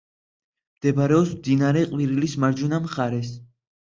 მდებარეობს მდინარე ყვირილის მარჯვენა მხარეს.